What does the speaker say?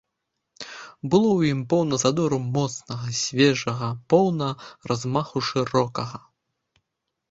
Было ў ім поўна задору моцнага, свежага, поўна размаху шырокага.